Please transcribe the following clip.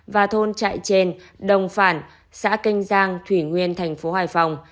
và thôn trại trên đồng phản xã canh giang thủy nguyên thành phố hải phòng